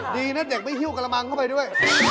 ดีนะเด็กไม่ฮิ้วกระมังเข้าไปด้วย